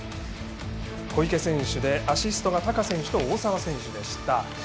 小池選手でアシストが高選手と大澤選手でした。